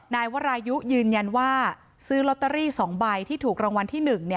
นายวรายุยืนยันว่าซื้อลอตเตอรี่๒ใบที่ถูกรางวัลที่๑